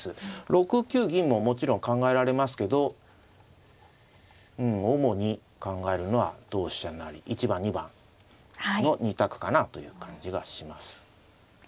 ６九銀ももちろん考えられますけど主に考えるのは同飛車成１番２番の２択かなという感じがします。